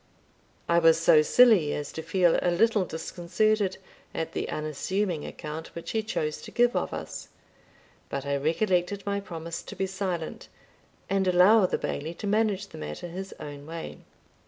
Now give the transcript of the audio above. I was so silly as to feel a little disconcerted at the unassuming account which he chose to give of us; but I recollected my promise to be silent, and allow the Bailie to manage the matter his own way.